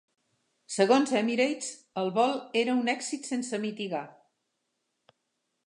Segons Emirates, el vol era un "èxit sense mitigar".